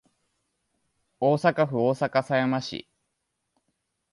大阪府大阪狭山市